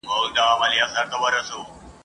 او همدغه موزونیت دی !.